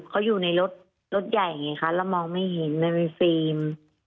เขาอยู่ในรถรถใหญ่ไงคะเรามองไม่เห็นมันมีฟิล์ม